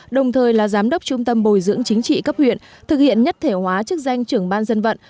đồng thời là giám đốc trung tâm bồi dưỡng chính trị cấp huyện thực hiện nhất thể hóa chức danh trưởng ban dân vận